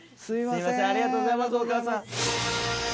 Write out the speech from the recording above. すいませんありがとうございますお母さん。